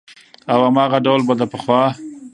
او هماغه ډول به د پخوا